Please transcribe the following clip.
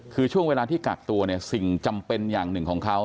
คือช่วงเวลาที่กักตัวเนี่ยสิ่งจำเป็นอย่างหนึ่งของเขา